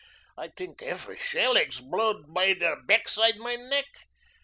I tink efery schell eggsblode bei der beckside my neck.